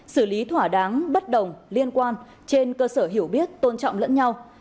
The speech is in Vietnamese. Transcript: xử lý thỏa đáng bất đồng liên quan trên cơ sở hiểu biết tôn trọng lẫn nhau